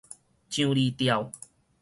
上離吊